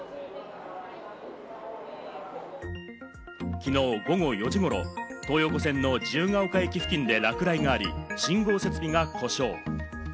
昨日午後４時頃、東横線の自由が丘駅付近で落雷があり、信号設備が故障。